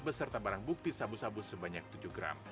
beserta barang bukti sabu sabu sebanyak tujuh gram